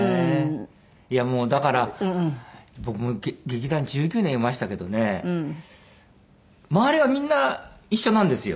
いやもうだから僕も劇団１９年いましたけどね周りはみんな一緒なんですよ。